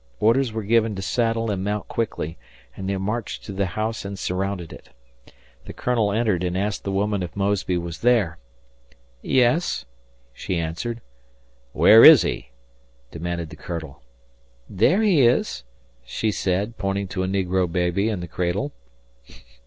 Orders were given to saddle and mount quickly, and they marched to the house and surrounded it. The Colonel entered and asked the woman if Mosby was there. "Yes," she answered. "Where is he?" demanded the Colonel. "There he is," she said, pointing to a negro baby in the cradle.